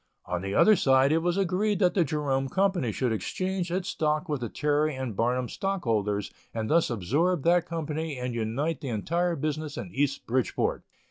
On the other side it was agreed that the Jerome Company should exchange its stock with the Terry & Barnum stockholders and thus absorb that company and unite the entire business in East Bridgeport.